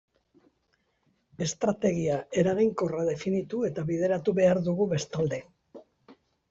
Estrategia eraginkorra definitu eta bideratu behar dugu bestalde.